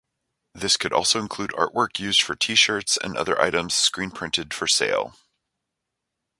This could also include artwork used for T-shirts and other items screenprinted for sale.